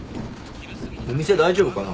お店大丈夫かな？